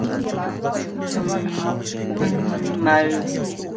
종은 말로만 하면 고치지 아니하나니 이는 그가 알고도 청종치 아니함이니라